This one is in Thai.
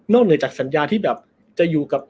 เหนือจากสัญญาที่แบบจะอยู่กับ